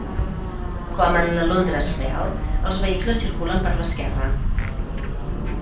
Com en la Londres real, els vehicles circulen per l'esquerra.